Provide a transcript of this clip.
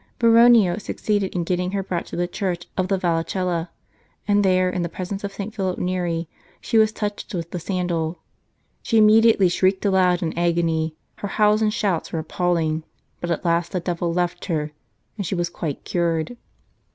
Baronio suc ceeded in getting her brought to the Church of the Vallicella, and there, in the presence of St. Philip Neri, she was touched with the sandal. She immediately shrieked aloud in agony ; her howls and shouts were appalling, but at last the devil left her, and she was quite cured.